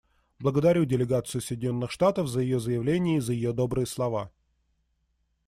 Благодарю делегацию Соединенных Штатов за ее заявление и за ее добрые слова.